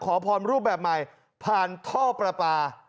ขอพรรูปแบบใหม่ผ่านท่อประปา